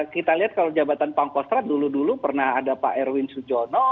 kita lihat kalau jabatan pangkostrat dulu dulu pernah ada pak erwin sujono